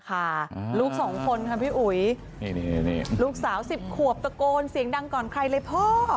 ลูกสองคนค่ะพี่อุ๋ยนี่ลูกสาว๑๐ขวบตะโกนเสียงดังก่อนใครเลยพ่อ